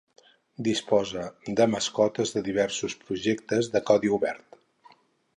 Disposa de mascotes de diversos projectes de codi obert.